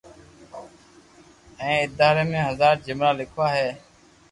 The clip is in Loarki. ھين آئري ۾ ھزار جملا ليکوا ھي